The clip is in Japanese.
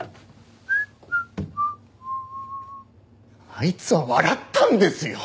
あいつは笑ったんですよ。